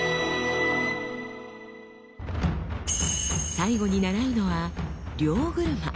最後に習うのは「両車」。